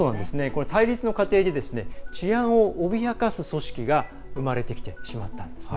対立の過程で治安を脅かす組織が生まれてきてしまったんですね。